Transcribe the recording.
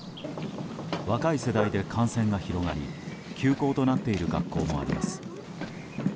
若い世代で感染が広がり休校となっている学校もあります。